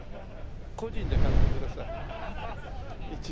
個人で買ってください。